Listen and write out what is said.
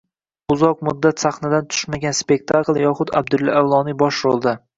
Uzoq muddat sahnadan tushmagan spektakl yoxud Abdulla Avloniy bosh rolda